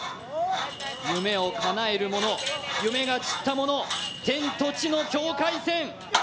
夢をかなえる者、夢が散った者天と地の境界線。